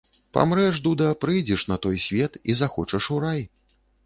Памрэш, дуда, прыйдзеш на той свет і захочаш у рай.